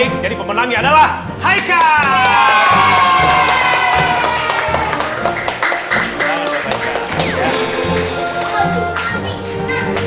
iya itu baru yang namanya hai kak